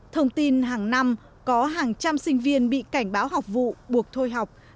thông tin hàng năm có hàng trăm sinh viên bị cảnh báo học vụ buộc thôi học